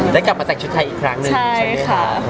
ได้กลับมาแต่งชุดไทยอีกครั้งหนึ่งใช่ไหมคะ